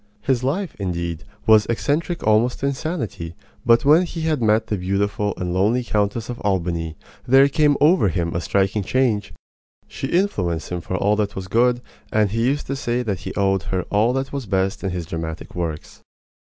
His life, indeed, was eccentric almost to insanity; but when he had met the beautiful and lonely Countess of Albany there came over him a striking change. She influenced him for all that was good, and he used to say that he owed her all that was best in his dramatic works.